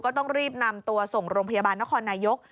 ต้องรีบนำตัวส่งโรงพยาบาลนครนายก